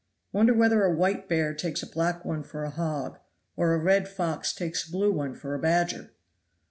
Wonder whether a white bear takes a black one for a hog, or a red fox takes a blue one for a badger.